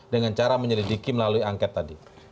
dengan cara menyelidiki melalui angket tadi